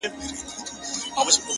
پوهه د تیارو افکارو ضد ده.!